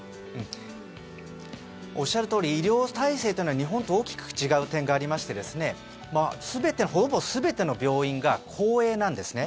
おっしゃるとおり医療体制というのは日本と大きく違う点がありましてほぼ全ての病院が公営なんですね。